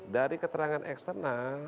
dari keterangan eksternal